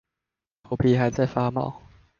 頭皮還在發毛